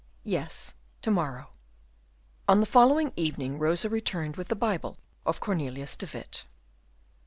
"Yes, to morrow." On the following evening Rosa returned with the Bible of Cornelius de Witt.